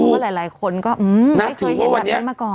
คือหลายคนก็อื้อไม่เคยเห็นแบบนี้มาก่อน